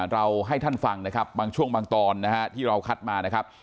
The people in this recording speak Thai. เราให้ท่านฟังบางช่วงบางตอนที่เราคัดมา